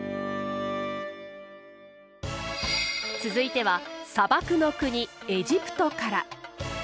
続いては砂漠の国エジプトから。